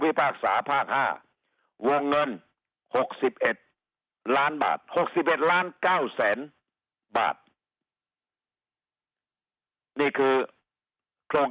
พากษาภาค๕วงเงิน๖๑ล้านบาท๖๑ล้าน๙แสนบาทนี่คือโครง